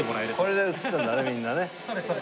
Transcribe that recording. これで映すんだねみんなね。